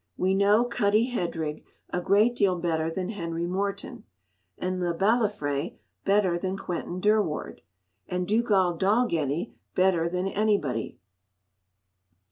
We know Cuddie Headrigg a great deal better than Henry Morton, and Le Balafré better than Quentin Durward, and Dugald Dalgetty better than anybody.